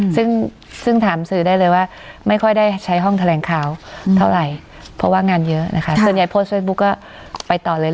ซึ่งถามสื่อได้เลยว่าไม่ค่อยได้ใช้ห้องแถลงข่าวเท่าไหร่เพราะว่างานเยอะนะคะส่วนใหญ่โพสต์เฟซบุ๊กก็ไปต่อเลย